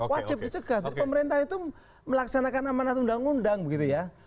wajib dicegah pemerintah itu melaksanakan amanat undang undang begitu ya